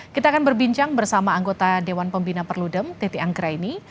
kita akan berbincang bersama anggota dewan pembina perludem titi anggraini